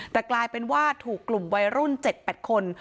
แต่กลายเป็นว่าถูกกลุ่มวัยรุ่น๗๘คน